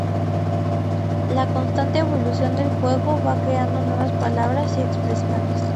La constante evolución del juego va creando nuevas palabras y expresiones.